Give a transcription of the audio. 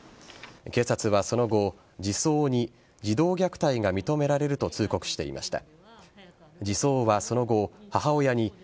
警察はその後、児相に児童虐待が認められると通告していました。